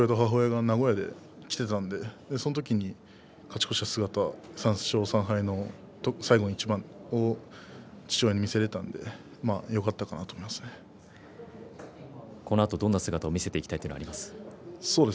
父親と母親が名古屋に来ていたので勝ち越しの姿父親に見せられたのでこのあとどんな姿を見せていきたいというのがありますか。